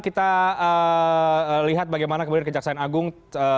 kita lihat bagaimana kemudian kejaksaan agung